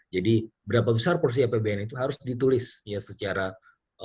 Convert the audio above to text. jadi berapa besar porsi apbn itu harus ditulis secara hitam